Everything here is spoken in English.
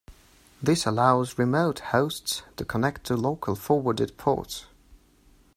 This allows remote hosts to connect to local forwarded ports.